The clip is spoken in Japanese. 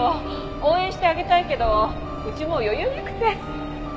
応援してあげたいけどうちも余裕なくて。